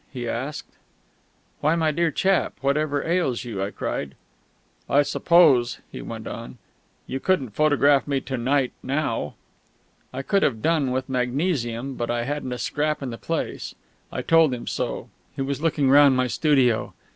he asked. "Why, my dear chap, whatever ails you?" I cried. "I suppose," he went on, "you couldn't photograph me to night now?" I could have done, with magnesium, but I hadn't a scrap in the place. I told him so. He was looking round my studio.